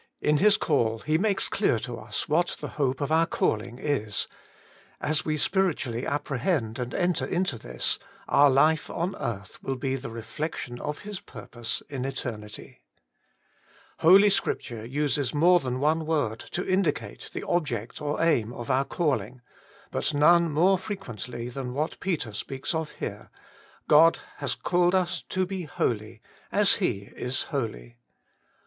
In His call He makes clear to us what the hope of our calling is ; as we spiritually appre hend and enter into this, our life on earbh will be the reflection of His purpose in eternity. Holy Scripture uses more than one word to indicate the object or aim of our calling, but none more frequently than what Peter speaks of here God has called us to le holy as He is holy.